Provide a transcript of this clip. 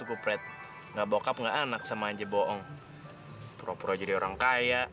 aku sekarang sendiri